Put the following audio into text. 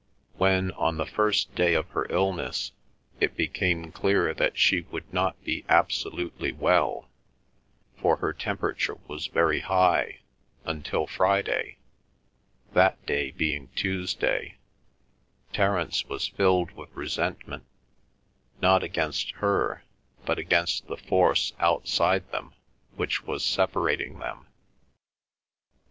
When, on the first day of her illness, it became clear that she would not be absolutely well, for her temperature was very high, until Friday, that day being Tuesday, Terence was filled with resentment, not against her, but against the force outside them which was separating them.